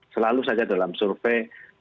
selalu saja dalam survei